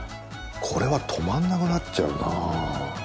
これは止まらなくなっちゃうな。